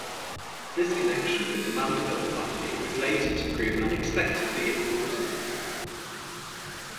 This connection with the Mandeville family was later to prove unexpectedly important.